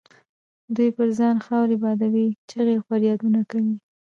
دوی پر ځان خاورې بادوي، چیغې او فریادونه کوي.